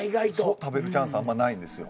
食べるチャンスあんまないんですよ。